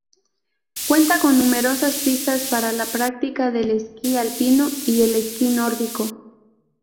Cuenta con numerosas pistas para la práctica del esquí alpino y el esquí nórdico.